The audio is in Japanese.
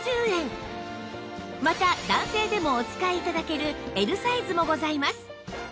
また男性でもお使い頂ける Ｌ サイズもございます